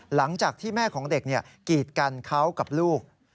หลังจากที่แม่ของเด็กกีดกันเขากับลูก